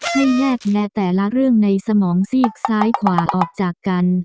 ให้แยกแนะแต่ละเรื่องในสมองซีกซ้ายขวาออกจากกัน